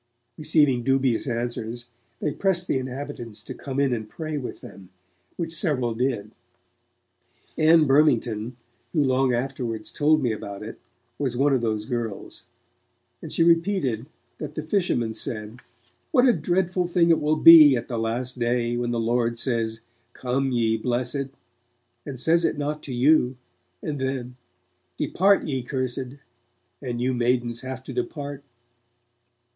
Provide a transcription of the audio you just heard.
Receiving dubious answers, they pressed the inhabitants to come in and pray with them, which several did. Ann Burmington, who long afterwards told me about it, was one of those girls, and she repeated that the fishermen said, 'What a dreadful thing it will be, at the Last Day, when the Lord says, "Come, ye blessed", and says it not to you, and then, "Depart ye cursed", and you maidens have to depart.'